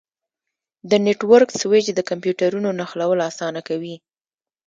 د نیټورک سویچ د کمپیوټرونو نښلول اسانه کوي.